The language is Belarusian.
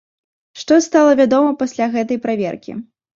Што стала вядома пасля гэтай праверкі?